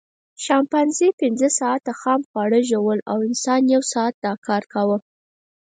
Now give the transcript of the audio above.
شامپانزي پینځه ساعته خام خواړه ژوول او انسان یو ساعت دا کار کاوه.